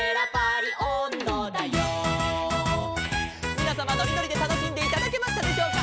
「みなさまのりのりでたのしんでいただけましたでしょうか」